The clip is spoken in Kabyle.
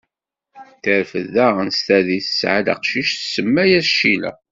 Terfed daɣen s tadist, tesɛad aqcic, tsemma-as Cila.